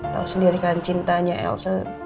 tahu sendiri kan cintanya elsa